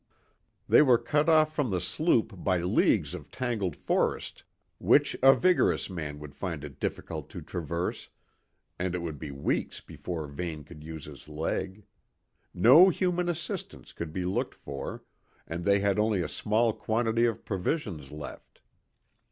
They were cut off from the sloop by leagues of tangled forest which a vigorous man would find it difficult to traverse, and it would be weeks before Vane could use his leg; no human assistance could be looked for, and they had only a small quantity of provisions left.